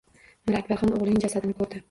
Mir Akbarxon o’g’lining jasadini ko’rdi.